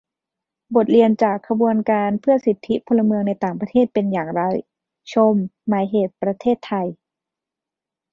บทเรียนจากขบวนการเพื่อสิทธิพลเมืองในต่างประเทศเป็นอย่างไร - ชม หมายเหตุประเพทไทย